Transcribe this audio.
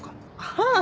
ああ。